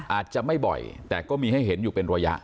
อาจจะไม่บ่อยแต่ก็มีให้เห็นอยู่เป็นระยะ